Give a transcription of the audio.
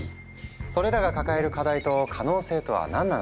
それらが抱える課題と可能性とは何なのか。